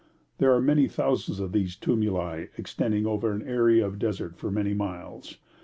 There are many thousands of these tumuli extending over an area of desert for many miles.